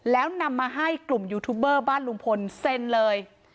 แล้วนำมาให้กลุ่มยูทูบเบอร์บ้านลุงพลเซ็นเลย